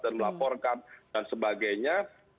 dan melaporkan dan sebagainya